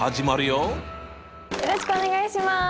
よろしくお願いします。